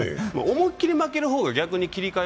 思いっきり負ける方が逆に切り替え